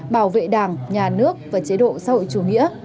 bảo vệ đảng nhà nước và chế độ xã hội chủ nghĩa